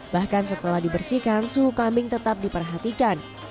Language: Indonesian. bahkan setelah dibersihkan suhu kambing tetap diperhatikan